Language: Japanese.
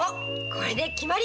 これで決まり！